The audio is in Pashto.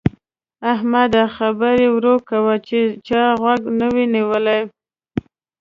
احمده! خبرې ورو کوه چې چا غوږ نه وي نيولی.